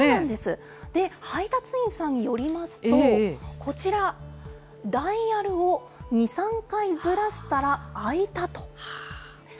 配達員さんによりますと、こちら、ダイヤルを２、３回ずらしたら開いたと。